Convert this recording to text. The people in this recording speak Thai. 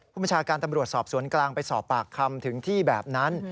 ประชาการตำรวจสอบสวนกลางไปสอบปากคำถึงที่แบบนั้น